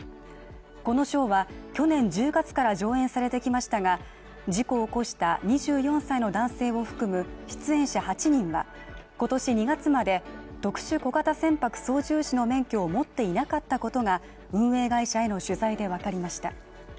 このショーは去年１０月から上演されてきましたが事故を起こした２４歳の男性を含む出演者８人は今年２月まで特殊小型船舶操縦士の免許を持っていなかったことが運営会社への取材で分かりました。